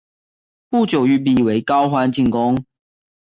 不久玉壁为高欢进攻。